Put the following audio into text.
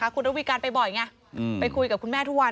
คุณระวีการไปบ่อยไงไปคุยกับคุณแม่ทุกวัน